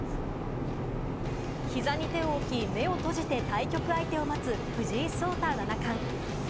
膝に手を置き、目を閉じて対局相手を待つ藤井聡太七冠。